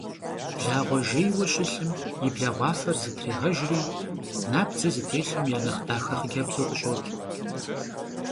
Blağue jjêyue şılhım yi blağuafer zıtrêğejjri nabdze zıtêlhım ya nexh daxe xhıcebzu khış'oç'.